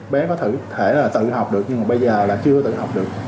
bé có thể là tự học được nhưng mà bây giờ là chưa tự học được